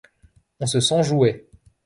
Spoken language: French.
On se sent jouet.